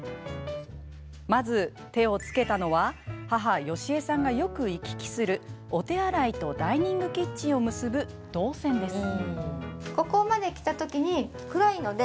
まず、手をつけたのは母・よしえさんがよく行き来するお手洗いとダイニングキッチンを結ぶ動線です。